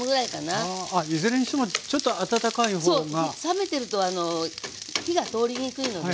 冷めてると火が通りにくいのでね。